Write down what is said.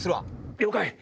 了解！